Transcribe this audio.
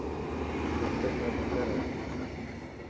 ڪلفٽن ۾ مندر هي